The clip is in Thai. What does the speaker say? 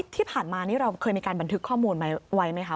ที่ผ่านมานี่เราเคยมีการบันทึกข้อมูลไว้ไหมคะ